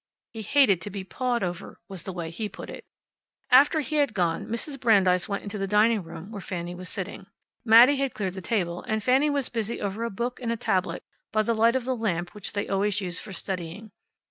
"He hated to be pawed over," was the way he put it. After he had gone, Mrs. Brandeis went into the dining room where Fanny was sitting. Mattie had cleared the table, and Fanny was busy over a book and a tablet, by the light of the lamp that they always used for studying.